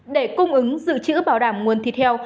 để cung ứng dự trữ bảo đảm nguồn thịt heo